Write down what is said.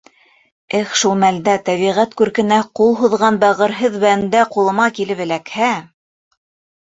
Эх, шул мәлдә тәбиғәт күркенә ҡул һуҙған бәғерһеҙ бәндә ҡулыма эләкһә!..